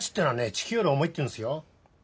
地球より重いっていうんすよ。